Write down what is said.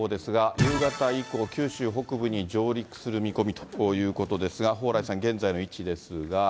夕方以降、九州北部に上陸する見込みということですが、蓬莱さん、現在の位置ですが。